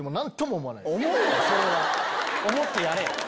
思ってやれよ！